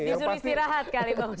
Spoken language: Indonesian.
disuruh istirahat kali mbak putri